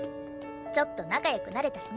ちょっと仲良くなれたしね。